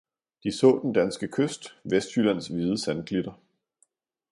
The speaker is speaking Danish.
De så den danske kyst, Vestjyllands hvide sandklitter.